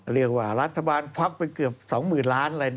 เรียกว่ารัฐบาลพักไปเกือบ๒๐๐๐๐ล้าน